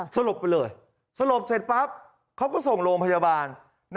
สรบเสร็จปั๊บเขาก็ไปส่งลงพยาบาล